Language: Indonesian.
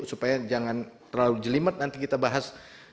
supaya jangan terlalu jelimet nanti kita bahas